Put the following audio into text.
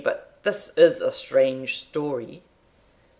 but this is a strange story."